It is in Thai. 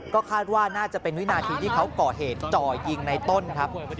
ก็คาดว่าน่าจะเป็นวินาทีที่เขาก่อเหตุจ่อยิงในต้นครับ